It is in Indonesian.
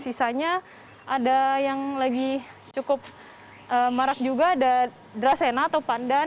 sisanya ada yang lagi cukup marak juga ada drasena atau pandan